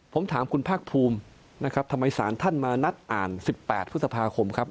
ผมถามคุณภาคภูมินะครับทำไมสารท่านมานัดอ่าน๑๘พฤษภาคมครับ